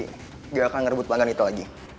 nggak akan ngerebut bankan itu lagi